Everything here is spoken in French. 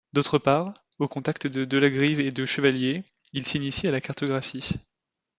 D'autre part, au contact de Delagrive et de Chevallier, il s'initie à la cartographie.